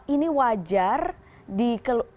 ini wajar dipertanyakan seperti ini